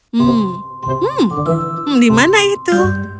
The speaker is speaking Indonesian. hmm hmm hmm di mana itu